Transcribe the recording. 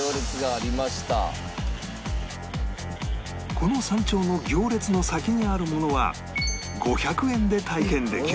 この山頂の行列の先にあるものは５００円で体験できる